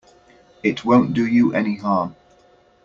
It won't do you any harm.